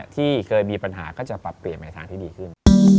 ที่เคยมีปัญหาก็จะปรับเปลี่ยนไปทางที่ดีขึ้น